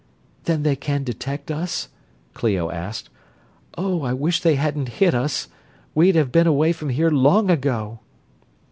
"Then they can detect us?" Clio asked. "Oh, I wish they hadn't hit us we'd have been away from here long ago."